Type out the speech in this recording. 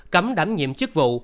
cấm đảm nhiệm chức vụ